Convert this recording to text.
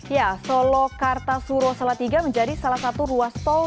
ya solo kartasuro salatiga menjadi salah satu ruas tol